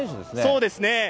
そうですね。